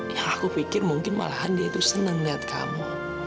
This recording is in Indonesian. yang aku pikir mungkin malahan dia itu seneng liat kamu